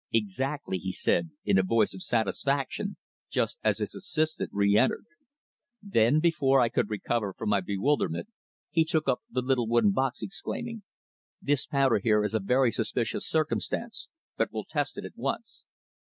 "Exactly," he said, in a voice of satisfaction, just as his assistant re entered. Then, before I could recover from my bewilderment, he took up the little wooden box, exclaiming "This powder here is a very suspicious circumstance, but we'll test it at once."